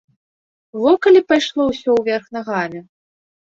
Во калі пайшло ўсё ўверх нагамі!